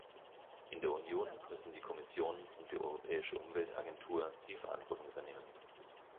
In der Union müssen die Kommission und die Europäische Umweltagentur die Verantwortung übernehmen.